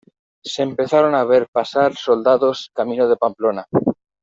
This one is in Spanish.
Se empezaron a ver pasar soldados camino de Pamplona.